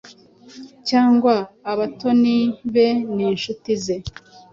cyangwa abatoni be n’inshuti ze.